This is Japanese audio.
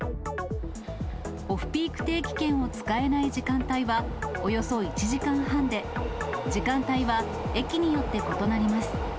オフピーク定期券を使えない時間帯はおよそ１時間半で、時間帯は駅によって異なります。